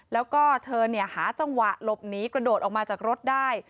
แล้วก็เธอหาจังหวะหลบหนีกระโดดออกมาจากรถได้